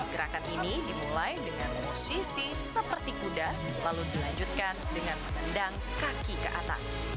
gerakan ini dimulai dengan posisi seperti kuda lalu dilanjutkan dengan menendang kaki ke atas